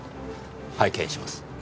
拝見します。